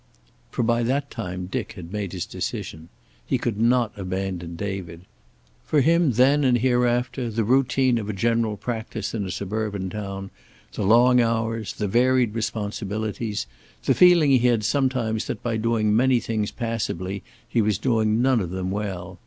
For by that time Dick had made his decision. He could not abandon David. For him then and hereafter the routine of a general practice in a suburban town, the long hours, the varied responsibilities, the feeling he had sometimes that by doing many things passably he was doing none of them well.